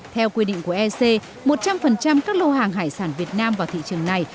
theo quy định của ec một trăm linh các lô hàng hải sản việt nam vào thị trường này